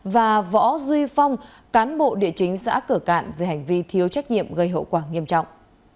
và võ duy phong cán bộ địa chính xã cửa cạn về hành vi thiếu trách nhiệm gây hậu quả nghiêm trọng